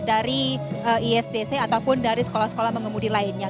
dari isdc ataupun dari sekolah sekolah mengemudi lainnya